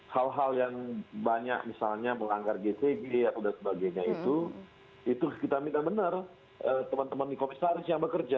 hal hal yang banyak misalnya melanggar gcg atau sebagainya itu itu kita minta benar teman teman di komisaris yang bekerja